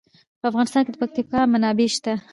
په افغانستان کې د پکتیا منابع شته.